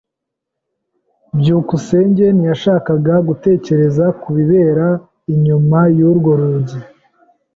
byukusenge ntiyashakaga gutekereza ku bibera inyuma y'urwo rugi.